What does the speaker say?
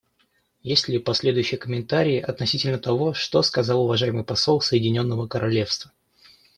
Есть ли последующие комментарии относительно того, что сказал уважаемый посол Соединенного Королевства?